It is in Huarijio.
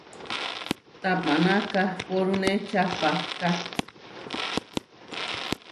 Tapaná kahpórune čapahká.